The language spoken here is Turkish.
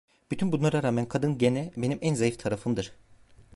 Bütün bunlara rağmen kadın gene benim en zayıf tarafımdır.